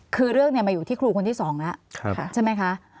คือเรื่องเนี่ยมาอยู่ที่ครูคนที่สองแล้วครับใช่ไหมคะ